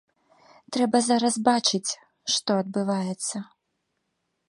Трэба зараз бачыць, што адбываецца.